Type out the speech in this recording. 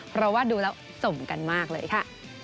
เพราะว่าดูแล้วสมกันมากเลยค่ะ